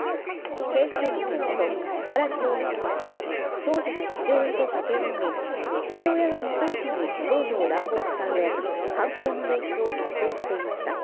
警視庁によりますと荒木容疑者は当時少女の父親と酒を飲み父親が寝たあとに少女を乱暴したうえ犯行の様子を撮影していました。